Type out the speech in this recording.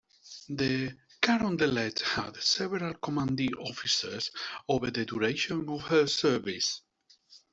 The "Carondelet" had several commanding officers over the duration of her service.